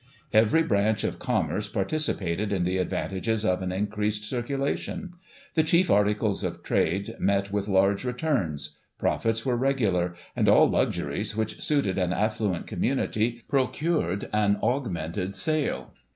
Every branch of commerce participated in the advantages of an increased circulation. The chief articles of trade met with large returns ; profits were regular ; and all luxuries which suited an affluent community, procured an augmented sale.